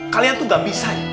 kalian tuh gak bisa